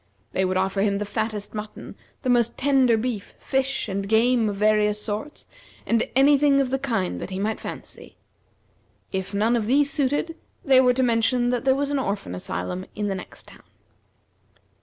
They would offer him the fattest mutton, the most tender beef, fish, and game of various sorts, and any thing of the kind that he might fancy. If none of these suited, they were to mention that there was an orphan asylum in the next town.